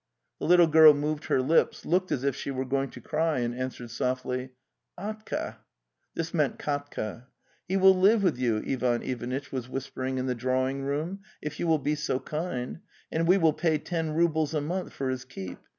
The little girl moved her lips, looked as if she were going to cry, and answered softly: EASE ah 263) his meant Katka. 'He will live with you," Ivan Ivanitch was whis pering in the drawing room, "if you will be so kind, and we will pay ten roubles a month for his keep.